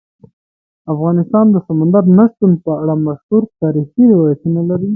افغانستان د سمندر نه شتون په اړه مشهور تاریخی روایتونه لري.